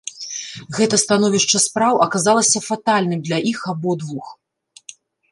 Гэта становішча спраў аказалася фатальным для іх абодвух.